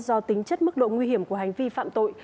do tính chất mức độ nguy hiểm của hành vi phạm tội